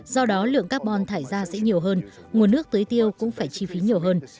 do đó lượng carbon thải ra sẽ nhiều hơn nguồn nước tưới tiêu cũng phải chi phí nhiều hơn